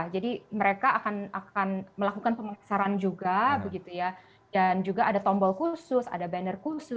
jadi mereka akan melakukan pemasaran juga dan juga ada tombol khusus ada banner khusus